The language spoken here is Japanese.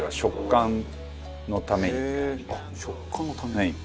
あっ食感のために。